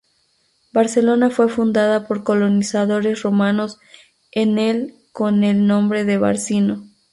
Barcelona fue fundada por colonizadores romanos en el con el nombre de Barcino.